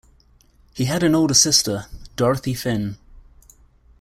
He had an older sister, Dorothy Finn.